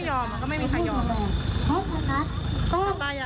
สอบท่าเป็นใครคะ